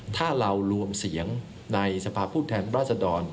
ถ้าเรารวมเสียงในสภาพผู้แทนราชดร